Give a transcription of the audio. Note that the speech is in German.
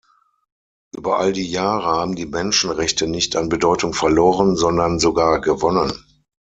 Über all die Jahre haben die Menschenrechte nicht an Bedeutung verloren, sondern sogar gewonnen.